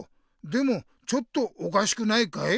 でもちょっとおかしくないかい？